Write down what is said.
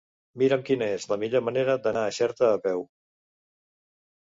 Mira'm quina és la millor manera d'anar a Xerta a peu.